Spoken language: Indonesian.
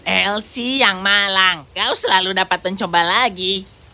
elsi yang malang kau selalu dapat mencoba lagi